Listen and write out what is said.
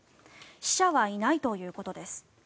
死者はいないということです。